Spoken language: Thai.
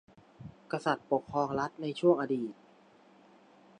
กษัตริย์ปกครองรัฐในช่วงอดีต